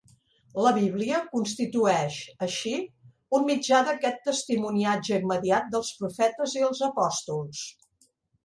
La Bíblia constitueix, així, un mitjà d'aquest testimoniatge immediat dels profetes i els apòstols.